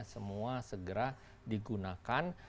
semua segera digunakan